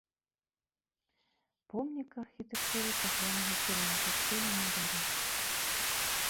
Помнік архітэктуры цаглянага кірунку стылю мадэрн.